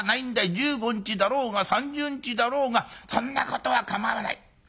１５日だろうが３０日だろうがそんなことは構わない』。